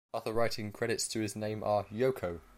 Other writing credits to his name are: Yoko!